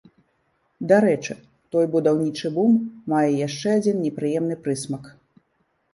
Дарэчы, той будаўнічы бум мае яшчэ адзін непрыемны прысмак.